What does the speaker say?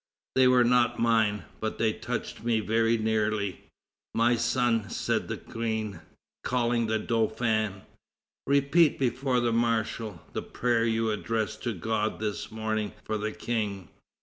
They were not mine, but they touch me very nearly." "My son," said the Queen, calling the Dauphin, "repeat before the marshal, the prayer you addressed to God this morning for the King."